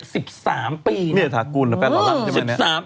นี่ทาคูณหรือแฟนหล่อล่ำใช่ไหม